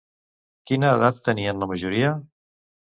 Quina edat tenien la majoria?